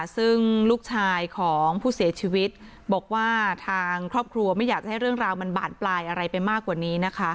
ซึ่งลูกชายของผู้เสียชีวิตบอกว่าทางครอบครัวไม่อยากจะให้เรื่องราวมันบานปลายอะไรไปมากกว่านี้นะคะ